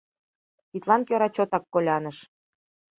Тидлан кӧра чотак коляныш.